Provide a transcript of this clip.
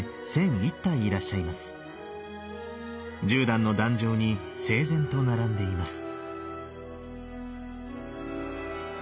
１０段の壇上に整然と並んでいます。